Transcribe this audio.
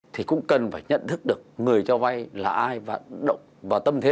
thì cũng cần phải nhận thức được người cho vay là ai và động vào tâm thế